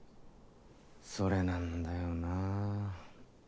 それなんだよな。